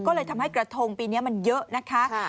ก็เลยทำให้กระทงปีนี้มันเยอะนะคะ